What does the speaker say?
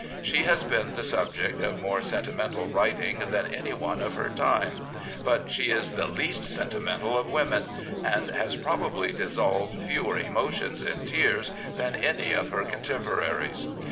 She has been the subject of more sentimental writing than any one of her time; but she is the least sentimental of women, and has prob ably dissolved fewer emotions in tears than any of her contemporaries.